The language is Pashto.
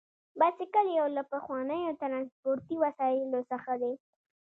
بایسکل یو له پخوانیو ترانسپورتي وسایلو څخه دی.